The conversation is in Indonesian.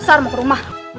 pasar mau ke rumah